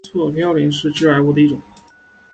硫唑嘌呤被视为是致癌物的一种。